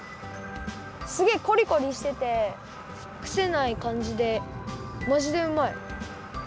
すげえコリコリしててくせないかんじでマジでうまい！